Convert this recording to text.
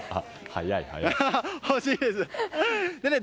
欲しいですか？